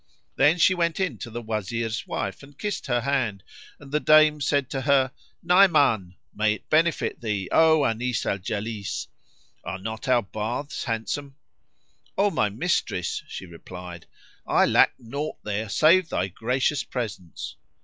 Then she went in to the Wazir's wife and kissed her hand; and the dame said to her, "Naiman! May it benefit thee,[FN#15] O Anis al Jalis![FN#16] Are not our baths handsome?" "O my mistress," she replied, "I lacked naught there save thy gracious presence."